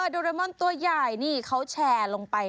โดเรมอนตัวใหญ่นี่เขาแชร์ลงไป